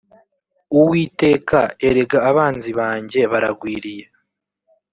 uwiteka, erega abanzi banjye baragwiriye